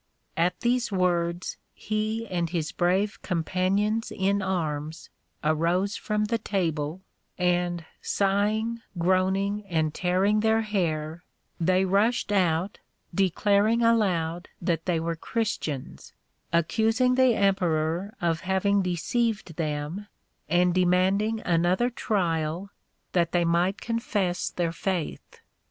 At these words he anJ. his brave companions in arms arose from the table, and sighing, groaning and tearing their hair, they rushed out, declaring aloud that they were Christians, accusing the emperor of having deceived them, and demanding another trial, that they might confess their faith.